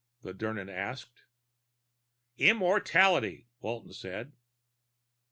the Dirnan asked. "Immortality," Walton said.